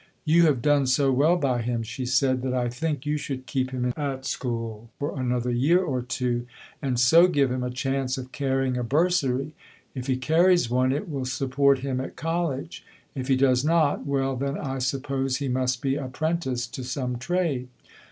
"You have done so well by him," she said, "that I think you should keep him at school for another year or two, and so give him a chance of carrying a bursary. If he carries one it will support him at college; if he does not well, then I suppose he must be apprenticed to some trade."